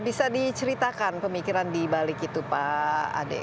bisa diceritakan pemikiran di balik itu pak ade